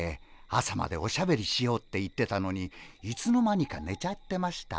朝までおしゃべりしようって言ってたのにいつの間にかねちゃってました。